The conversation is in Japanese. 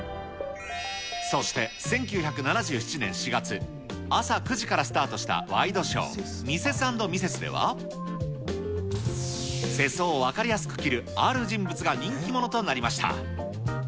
そして、１９７７年４月、朝９時からスタートしたワイドショー、ミセス＆ミセスでは、世相を分かりやすく斬るある人物が人気者となりました。